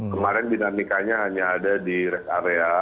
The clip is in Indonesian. kemarin dinamikanya hanya ada di rest area